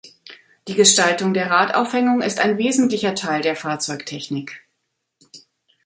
Die Gestaltung der Radaufhängung ist ein wesentlicher Teil der Fahrzeugtechnik.